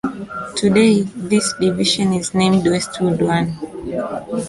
Today, this division is named Westwood One.